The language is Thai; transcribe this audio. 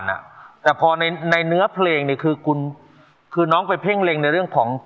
นุ่มชาวเรือผิวเนื้อกลานลงผ่อนระธมระธมน้อยนา